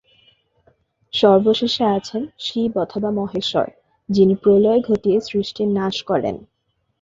সর্বশেষে আছেন শিব অথবা মহেশ্বর, যিনি প্রলয় ঘটিয়ে সৃষ্টির নাশ করেন।